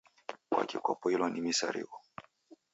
Kwaki kupoilwa ni misarigho?